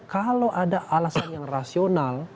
kalau ada alasan yang rasional